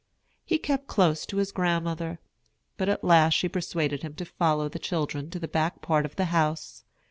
He kept close to his grandmother; but at last she persuaded him to follow the children to the back part of the house.